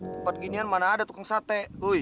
tempat ginian mana ada tukang sate